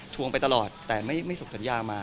ไปตลอดแต่ไม่ส่งสัญญามา